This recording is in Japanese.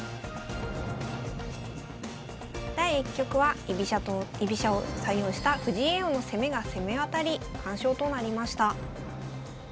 第１局は居飛車を採用した藤井叡王の攻めが攻め渡り完勝となりました。